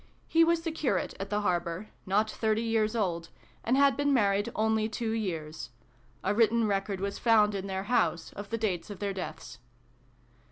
He was the Curate at the Harbour, not thirty years old, and had been married only two years. A written record was found in their house, of the dates of their deaths.